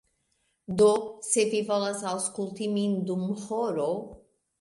Do se vi volas aŭskulti min dum horo